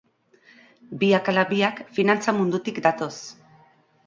Biak ala biak finantza mundutik datoz.